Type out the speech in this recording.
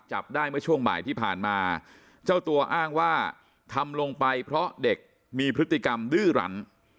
จับได้เมื่อช่วงบ่ายที่ผ่านมาเจ้าตัวอ้างว่าทำลงไปเพราะเด็กมีพฤติกรรมดื้อรัน